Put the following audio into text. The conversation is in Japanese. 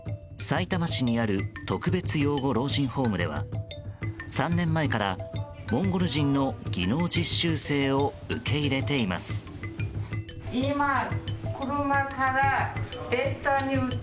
さいたま市にある特別養護老人ホームでは３年前からモンゴル人の技能実習生を受け入れています。